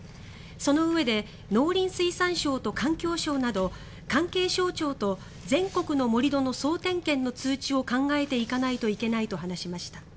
そのうえで農林水産省と環境省など関係省庁と全国の盛り土の総点検の通知を考えていかないといけないと話しました。